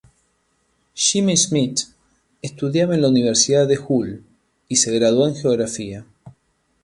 Jimmy Smith estudiaba en la Universidad de Hull y se graduó en Geografía.